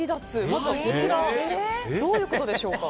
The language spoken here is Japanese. まずはこちらどういうことでしょうか。